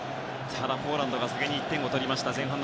ただ、ポーランドが先に１点を取りました。